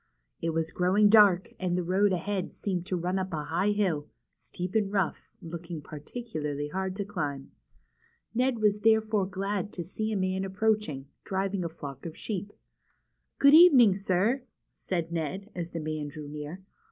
It W'as growing dark, and the road ahead seemed to run up a high hill, steep and rough, looking particularly hard to climb. Ned w^as therefore glad to see a man approaching, driving a flock of sheep. " Good evening, sir," said Ned, as the man drew near.